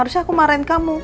harusnya aku marahin kamu